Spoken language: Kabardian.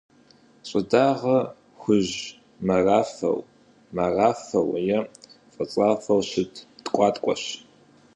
ЩӀыдагъэр — хужь-морафэу, морафэу е фӀыцӀафэу щыт ткӀуаткӀуэщ.